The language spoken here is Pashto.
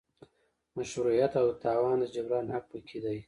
مشروعیت او د تاوان د جبران حق پکې دی.